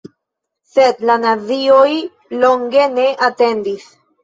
Sed la nazioj longe ne atendis.